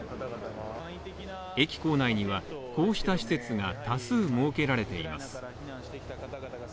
駅構内には、こうした施設が多数設けられています。